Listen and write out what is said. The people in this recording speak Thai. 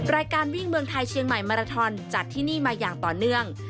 รายการวิ่งเมืองไทยเชียงใหม่มาราทอนจัดที่นี่มาอย่างต่อเนื่อง